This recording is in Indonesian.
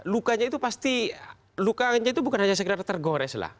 lukanya itu pasti bukan hanya sekedar tergores lah